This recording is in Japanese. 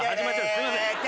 すいません。